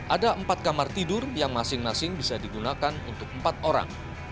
ada empat kamar tidur yang masing masing bisa digunakan untuk empat orang